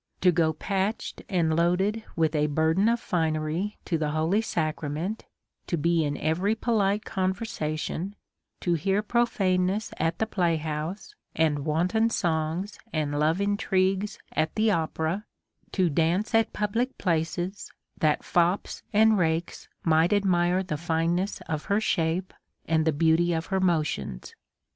To go patched, and loaded v.ith a burden of fineries to the holy sacrament ; to be in every polite conversation ; to hear profaneness at the play house, and wanton songs and love intrigues at the opera; to dance at pubhc places, that fops and rakes might admire the fineness of her shape, and the beau ty of her motions.